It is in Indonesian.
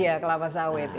iya kelapa sawit